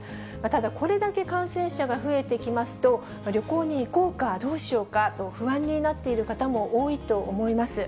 ただ、これだけ感染者が増えてきますと、旅行に行こうかどうしようかと不安になっている方も多いと思います。